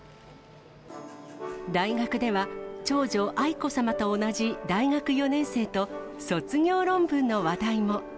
大学では、長女、愛子さまと同じ大学４年生と卒業論文の話題も。